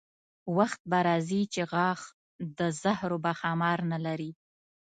وخت به راځي چې غاښ د زهرو به ښامار نه لري.